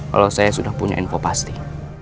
kalau saya sudah punya info pasti